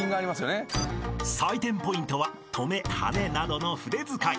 ［採点ポイントはトメハネなどの筆遣い］